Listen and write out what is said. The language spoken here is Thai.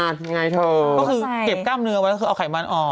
ยังไงเถอะใช่ก็คือเก็บกล้ามเนื้อแล้วก็คือเอาไขมันออก